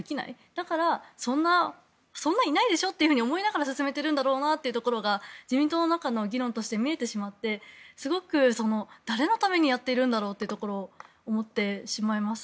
だから、そんないないでしょと思いながら進めてるんだろうなというところが自民党の中の議論として見えてしまってすごく、誰のためにやっているんだろうと思ってしまいます。